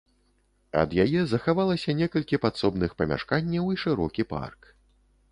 Ад яе захавалася некалькі падсобных памяшканняў і шырокі парк.